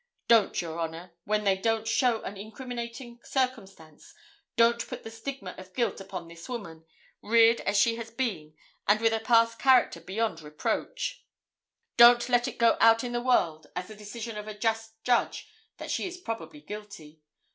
Don't, Your Honor, when they don't show an incriminating circumstance, don't put the stigma of guilt upon this woman, reared as she has been and with a past character beyond reproach. Don't let it go out in the world as the decision of a just judge that she is probably guilty.